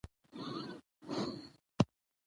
او عام مسلمانان او غير مسلمانان يې له احکامو خبر سي،